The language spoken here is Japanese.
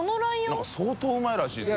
燭相当うまいらしいですよ